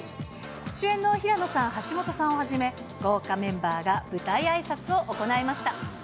主演の平野さん、橋本さんはじめ、豪華メンバーが舞台あいさつを行いました。